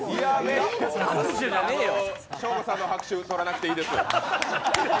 ショーゴさんの拍手、撮らなくていいです。